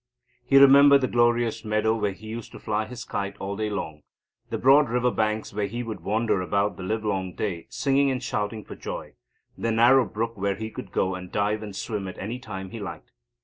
He remembered the glorious meadow where he used to fly his kite all day long; the broad river banks where he would wander about the livelong day singing and shouting for joy; the narrow brook where he could go and dive and swim at any time he liked.